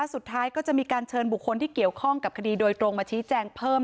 สุดท้ายก็จะมีการเชิญบุคคลที่เกี่ยวข้องกับคดีโดยตรงมาชี้แจงเพิ่ม